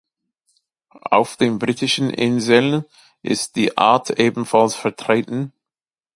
Auf den Britischen Inseln ist die Art ebenfalls vertreten.